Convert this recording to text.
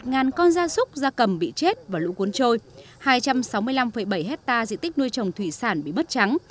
gần một mươi một con da súc da cầm bị chết và lũ cuốn trôi hai trăm sáu mươi năm bảy hectare diện tích nuôi trồng thủy sản bị mất trắng